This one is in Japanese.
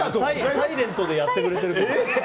サイレントでやってくれてる。